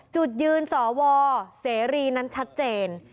จุดยืนสวเสรีนั้นชัดเจน